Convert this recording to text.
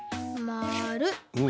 まる？